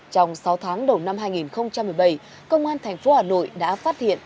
trong sáu tháng đầu năm hai nghìn một mươi bảy công an thành phố hà nội đã phát hiện